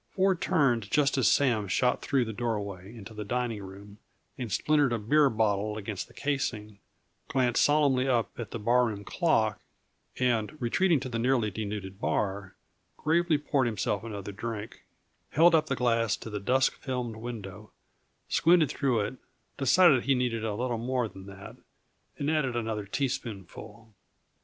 Ford turned just as Sam shot through the doorway into the dining room, and splintered a beer bottle against the casing; glanced solemnly up at the barroom clock and, retreating to the nearly denuded bar, gravely poured himself another drink; held up the glass to the dusk filmed window, squinted through it, decided that he needed a little more than that, and added another teaspoonful.